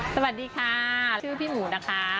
สวัสดีค่ะชื่อพี่หมูนะคะ